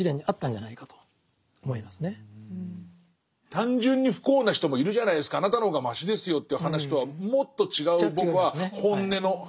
単純に不幸な人もいるじゃないですかあなたの方がマシですよという話とはもっと違う僕は本音の話をしている気がして。